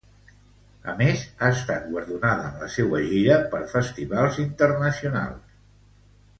A més, ha estat guardonada en la seua gira per festivals internacionals.